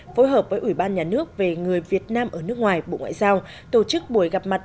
phối hợp với ủy ban nhà nước về người việt nam ở nước ngoài bộ ngoại giao tổ chức buổi gặp mặt